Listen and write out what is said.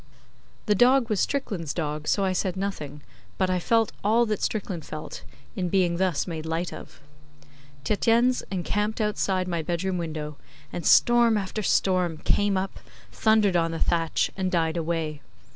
The dog was Strickland's dog, so I said nothing, but I felt all that Strickland felt In being thus made light of. Tietjens encamped outside my bedroom window, and storm after storm came up, thundered on the thatch, and died away.